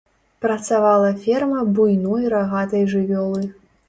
Працавала ферма буйной рагатай жывёлы.